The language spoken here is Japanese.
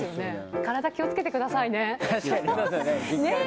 体気をつけてくださいね。ねぇ。